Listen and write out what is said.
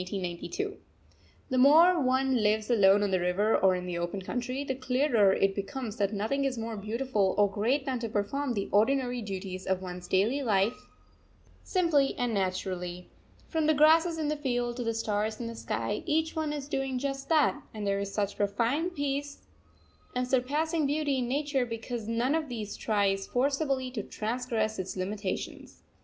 _ The more one lives alone on the river or in the open country, the clearer it becomes that nothing is more beautiful or great than to perform the ordinary duties of one's daily life simply and naturally. From the grasses in the field to the stars in the sky, each one is doing just that; and there is such profound peace and surpassing beauty in nature because none of these tries forcibly to transgress its limitations.